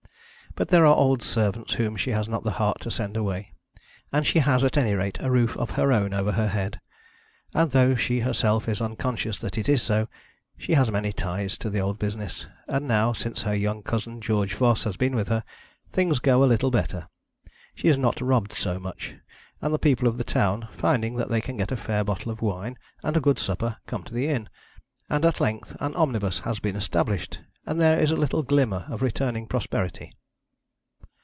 But there are old servants whom she has not the heart to send away; and she has at any rate a roof of her own over her head; and though she herself is unconscious that it is so, she has many ties to the old business; and now, since her young cousin George Voss has been with her, things go a little better. She is not robbed so much, and the people of the town, finding that they can get a fair bottle of wine and a good supper, come to the inn; and at length an omnibus has been established, and there is a little glimmer of returning prosperity.